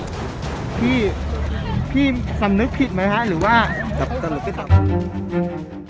พี่พี่คำนึกผิดไหมฮะหรือว่าคำลึกไม่ค่ะ